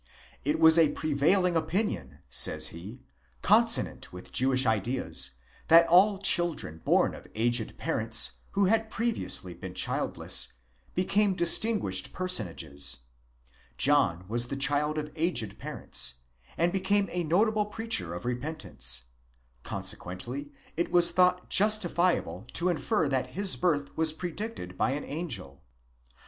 It was a prevailing opinion, says he, consonant with Jewish ideas, that all children born of aged parents, who had previously been childless, became distinguished personages. John was the child of aged parents, and became a notable preacher of repentance ; consequently it was thought justifiable to infer that his birth was predicted by anangel.